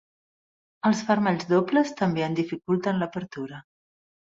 Els fermalls dobles també en dificulten l'apertura.